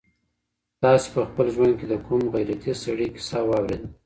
تاسي په خپل ژوند کي د کوم غیرتي سړي کیسه واورېده؟